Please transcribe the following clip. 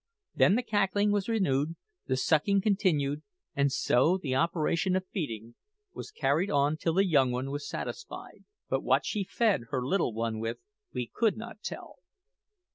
Then the cackling was renewed, the sucking continued, and so the operation of feeding was carried on till the young one was satisfied; but what she fed her little one with we could not tell.